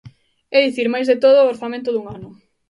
É dicir, máis de todo o orzamento dun ano.